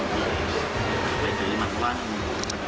ไม่ได้ซื้อมาเพราะว่ามี